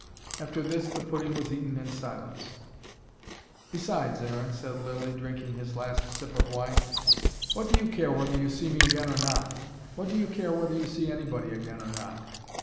After this, the pudding was eaten in silence. "Besides, Aaron," said Lilly, drinking his last sip of wine, "what do you care whether you see me again or not? What do you care whether you see anybody again or not?